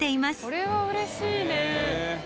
これはうれしいね。